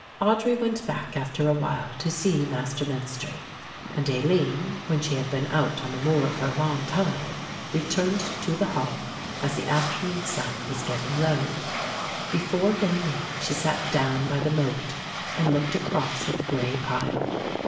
Audry went back after a while to see Master Menstrie; and Aline, when she had been out on the moor for a long time, returned to the Hall as the afternoon sun was getting low. Before going in, she sat down by the moat and looked across at the grey pile.